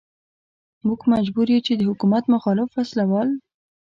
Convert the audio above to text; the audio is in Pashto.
موږ مجبور يو چې د حکومت مخالف وسله وال.